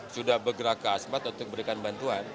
sudah bergerak ke asmat